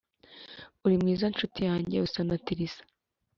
Uri mwiza, ncuti yanjye, usa na Tirisa;